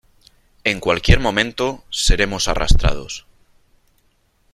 en cualquier momento seremos arrastrados .